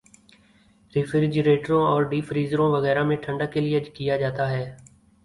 ریفریجریٹروں اور ڈیپ فریزروں وغیرہ میں ٹھنڈک کیلئے کیا جاتا تھا